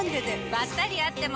ばったり会っても。